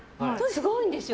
すごいんですよ！